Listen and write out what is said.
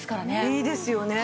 いいですよね。